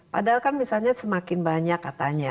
padahal kan misalnya semakin banyak katanya